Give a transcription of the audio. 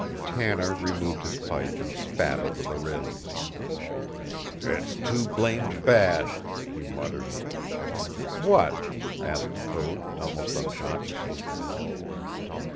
Tanner removed his pipe and spat over the railing. "It's too blamed bad!" he muttered. "What?" asked Code, almost unconsciously.